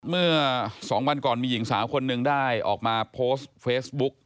เมื่อ๒วันก่อนมีหญิงสาวคนหนึ่งได้ออกมาโพสต์เฟซบุ๊ก